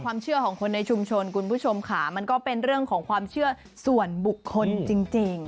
ความเชื่อของคนในชุมชนคุณผู้ชมค่ะมันก็เป็นเรื่องของความเชื่อส่วนบุคคลจริง